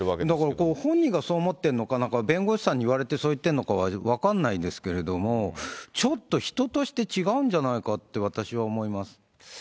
だから本人がそう思ってるのか、弁護士さんに言われてそう言ってるのか分からないですけど、ちょっと人として違うんじゃないかって、私は思います。